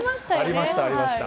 ありました、ありました。